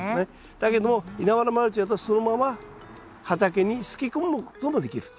だけども稲ワラマルチだとそのまま畑にすき込むこともできると。